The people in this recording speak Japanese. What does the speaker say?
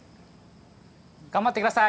頑張ってください。